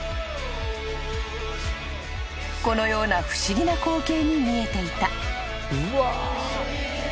［このような不思議な光景に見えていた］